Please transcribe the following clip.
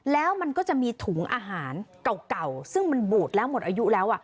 แล้วมันก็จะมีถุงอาหารเก่าซึ่งมันบูดแล้วหมดอายุแล้ว